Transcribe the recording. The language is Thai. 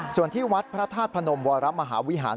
ส่วนที่วัดพระธาตุพนมวรมหาวิหาร